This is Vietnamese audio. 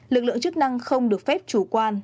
lực lượng chức năng không được phép chủ quan